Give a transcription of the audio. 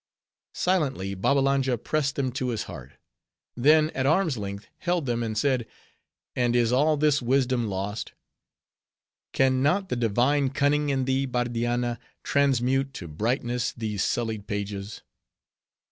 Silently Babbalanja pressed them to his heart. Then at arm's length held them, and said, "And is all this wisdom lost? Can not the divine cunning in thee, Bardianna, transmute to brightness these sullied pages?